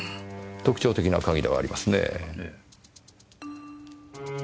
特徴的な鍵ではありますねぇ。